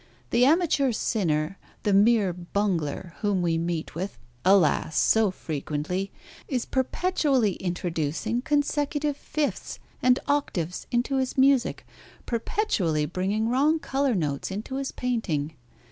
The amateur sinner, the mere bungler whom we meet with, alas! so frequently, is perpetually introducing consecutive fifths and octaves into his music, perpetually bringing wrong colour notes into his painting.